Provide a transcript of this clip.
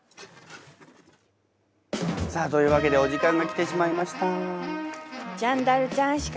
さあというわけでお時間が来てしまいました。